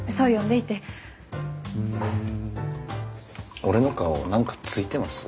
俺の顔何かついてます？